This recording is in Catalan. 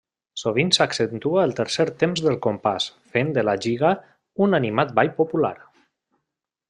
Sovint s'accentua el tercer temps del compàs, fent de la giga un animat ball popular.